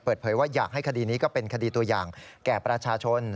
เปิดเผยว่าอยากให้คดีนี้ก็เป็นคดีตัวอย่างแก่ประชาชน